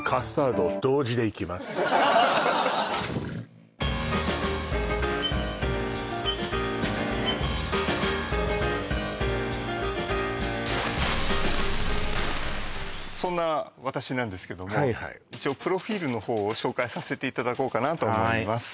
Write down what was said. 私はそんな私なんですけども一応プロフィールの方を紹介させていただこうかなと思います